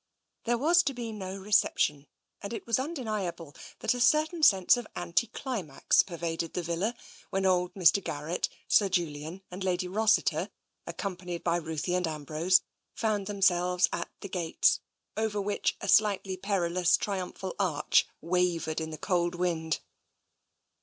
There was to be no reception, and it was undeni able that a certain sense of anti climax pervaded the villa when old Mr. Garrett, Sir Julian and Lady Rossi ter, accompanied by Ruthie and Ambrose, found themselves at the gates, over which a slightly perilous triumphal arch wavered in the cold wind.